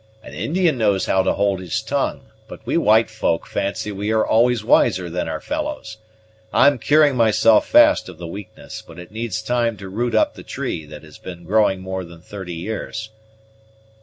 An Indian knows how to hold his tongue; but we white folk fancy we are always wiser than our fellows. I'm curing myself fast of the weakness, but it needs time to root up the tree that has been growing more than thirty years."